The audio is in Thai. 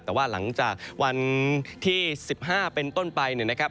แต่ว่าหลังจากวันที่๑๕เป็นต้นไปเนี่ยนะครับ